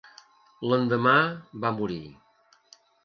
L'endemà va morir.